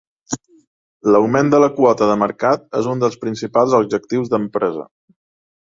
L'augment de la quota de mercat és un dels principals objectius d'empresa.